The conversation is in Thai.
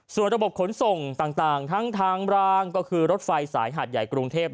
ส่วนระบบขนส่งต่างทั้งทางรางก็คือรถไฟสายหาดใหญ่กรุงเทพ